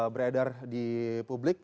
beredar di publik